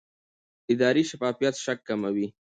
اداري شفافیت شک کموي